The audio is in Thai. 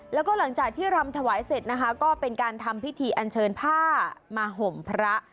แล้วก็หลังจากที่รำถวายเสร็จนะคะก็เป็นการทำพิธีอันเชิญผ้ามาห่มพระ